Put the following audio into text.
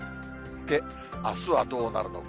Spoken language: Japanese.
あすはどうなるのか。